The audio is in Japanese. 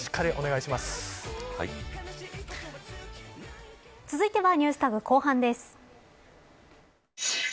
続いてはＮｅｗｓＴａｇ後半です。